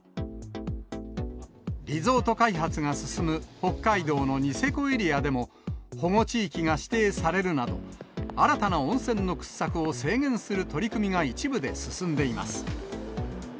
リゾート開発が進む北海道のニセコエリアでも、保護地域が指定されるなど、新たな温泉の掘削を制限する取り組みが一部で進んでいます。